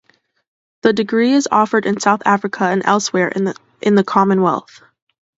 The degree is offered in South Africa, and elsewhere in the Commonwealth.